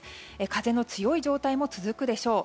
風の強い状態も続くでしょう。